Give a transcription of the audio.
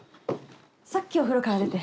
さっきお風呂から出て。